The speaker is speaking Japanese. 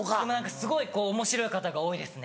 すごいおもしろい方が多いですね。